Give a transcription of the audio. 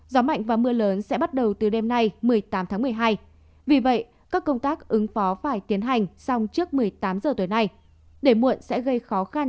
để muộn sẽ gây khó khăn